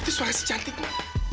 itu suara si cantik ma